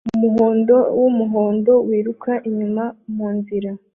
Umuhondo wumuhondo wiruka unyuze munzira